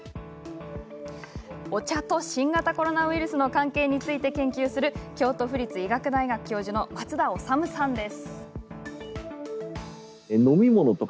お茶と新型コロナウイルスの関係について研究する京都府立医科大学教授の松田修さんです。